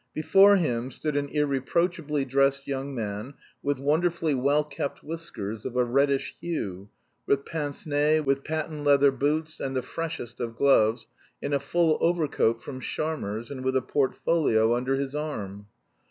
Before him stood an irreproachably dressed young man with wonderfully well kept whiskers of a reddish hue, with pince nez, with patent leather boots, and the freshest of gloves, in a full overcoat from Sharmer's, and with a portfolio under his arm.